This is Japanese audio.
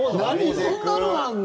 そんなのあんの？